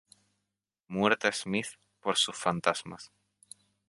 Muerta Smith por sus fantasmas".